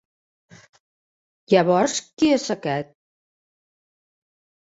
Llavors qui és aquest?